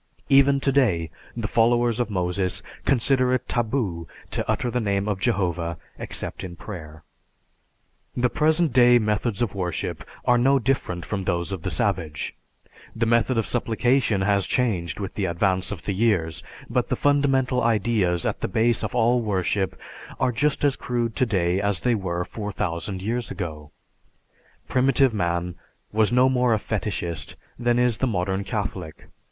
Even today, the followers of Moses consider it taboo to utter the name of Jehovah except in prayer. The present day methods of worship are no different from those of the savage; the method of supplication has changed with the advance of the years, but the fundamental ideas at the base of all worship are just as crude today as they were 4000 years ago. Primitive man was no more a fetishist than is the modern Catholic.